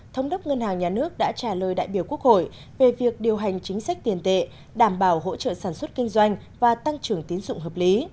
thống đốc ngân hàng nhà nước đã trả lời đại biểu quốc hội về việc điều hành chính sách tiền tệ đảm bảo hỗ trợ sản xuất kinh doanh và tăng trưởng tiến dụng hợp lý